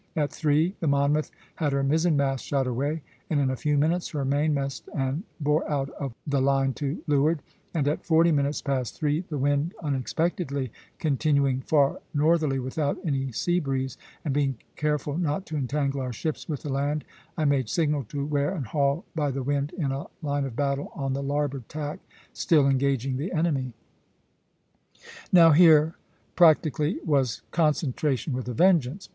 At three the 'Monmouth' had her mizzen mast shot away, and in a few minutes her mainmast, and bore out of the line to leeward (C, c); and at forty minutes past three the wind unexpectedly continuing far northerly without any sea breeze, and being careful not to entangle our ships with the land, I made signal to wear and haul by the wind in a line of battle on the larboard tack, still engaging the enemy." Now here, practically, was concentration with a vengeance.